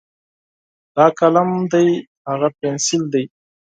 دا قلم ده، هاغه پینسل ده.